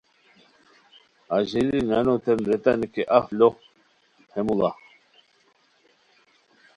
اژیلی نانوتین ریتانی کی اف لو ہے موڑو!